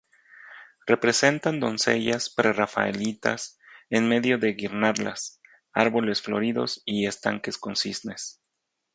Representan doncellas prerrafaelitas en medio de guirnaldas, árboles floridos y estanques con cisnes.